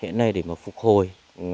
hiện nay để phục hồi